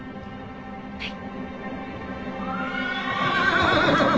はい。